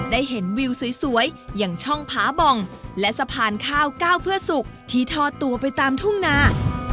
ได้เห็นวิวสวยอย่างช่องผาบ่องและสะพานข้าวก้าวเพื่อสุกที่ทอดตัวไปตามทุ่งนา